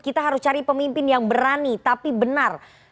kita harus cari pemimpin yang berani tapi benar